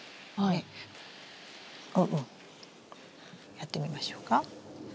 やってみましょうか？